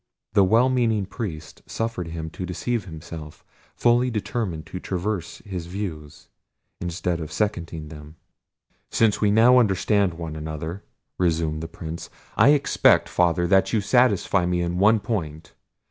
The well meaning priest suffered him to deceive himself, fully determined to traverse his views, instead of seconding them. "Since we now understand one another," resumed the Prince, "I expect, Father, that you satisfy me in one point.